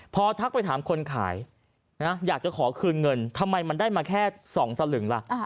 พอทักไปถามคนขายอยากจะขอคืนเงินทำไมมันได้มาแค่๒สลึงล่ะ